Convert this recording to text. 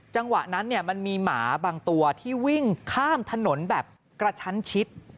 จังหวะนั้นเนี่ยมันมีหมาบางตัวที่วิ่งข้ามถนนแบบกระชั้นชิด